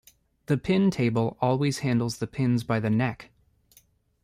The pin table always handles the pins by the neck.